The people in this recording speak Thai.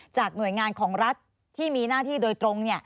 หน่วยงานของรัฐที่มีหน้าที่โดยตรง